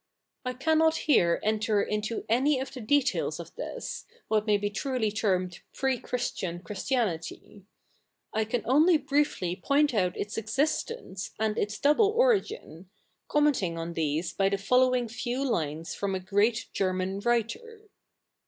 I can?iot here enter into any of the details of this, what may be truly tei med pre Christian Christianity. I cafi 07ily briefly poiiit out its existence, and its double origin, commenting o?i these by the following few lines from a great German writer.